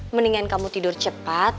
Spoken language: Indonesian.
mendingan kamu tidur cepat